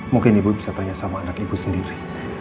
mungkin ibu bisa tanya sama anak ibu sendiri